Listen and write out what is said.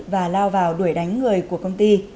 và lao vào đuổi đánh người của công ty